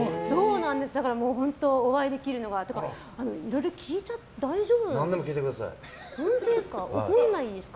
だから本当、お会いできるのが。というか、いろいろ聞いちゃって大丈夫ですか？